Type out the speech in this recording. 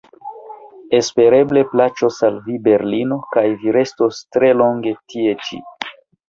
Espereble plaĉos al vi berlino kaj vi restos tre longe tie ĉi.